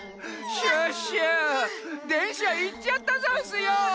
シュッシュでんしゃいっちゃったざんすよ。